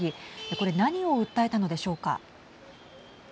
これ何を訴えたのでしょうか。